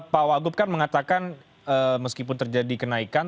pak wagub kan mengatakan meskipun terjadi kenaikan